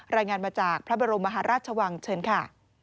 รายงานมาจากพระบรมมหาราชวังเชิญค่ะ